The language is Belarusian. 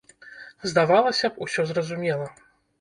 Здавалася б, усё зразумела!